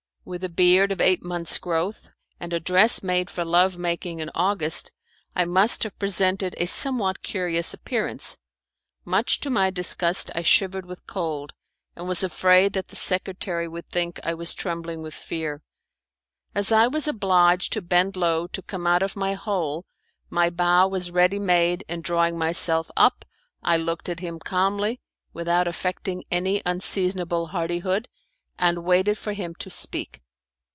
With a beard of eight months' growth, and a dress made for love making in August, I must have presented a somewhat curious appearance. Much to my disgust I shivered with cold, and was afraid that the secretary would think I was trembling with fear. As I was obliged to bend low to come out of my hole, my bow was ready made, and drawing myself up, I looked at him calmly without affecting any unseasonable hardihood, and waited for him to speak.